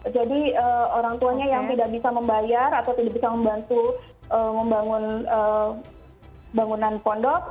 jadi orang tuanya yang tidak bisa membayar atau tidak bisa membantu membangun bangunan pondok